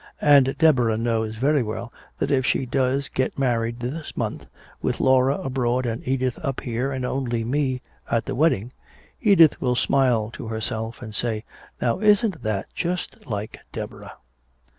And Deborah knows very well that if she does get married this month, with Laura abroad and Edith up here and only me at the wedding, Edith will smile to herself and say, 'Now isn't that just like Deborah?'"